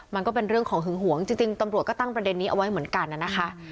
มันก็เป็นเรื่องของหึงหวงจริงตำรวจก็ตั้งประเด็นนี้เอาไว้เหมือนกันนะคะ